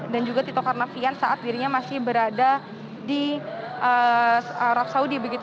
dan juga tito karnavian saat dirinya masih berada di saudi